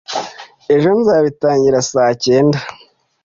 ejo nzabitanga sa cyenda